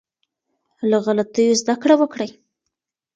له غلطيو زده کړه وکړئ.